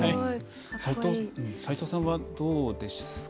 斎藤さんはどうですか。